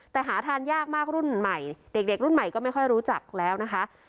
แต่หาทานยากมากรุ่นใหม่เด็กรุ่นใหม่ก็ไม่ค่อยรู้จักแล้วนะคะ